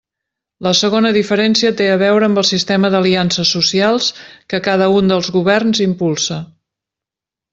La segona diferència té a veure amb el sistema d'aliances socials que cada un dels governs impulsa.